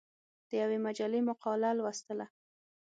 د یوې مجلې مقاله لوستله.